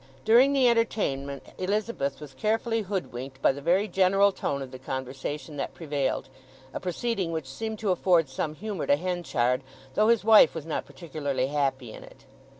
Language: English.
During the entertainment Elizabeth was carefully hoodwinked by the very general tone of the conversation that prevailed—a proceeding which seemed to afford some humour to Henchard, though his wife was not particularly happy in it.